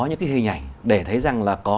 những cái hình ảnh để thấy rằng là có